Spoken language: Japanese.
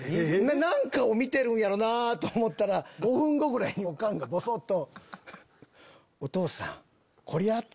何かを見てるんやろなぁと思ったら５分後ぐらいにおかんがボソっと。